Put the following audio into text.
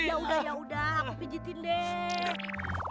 yaudah yaudah aku pijetin deh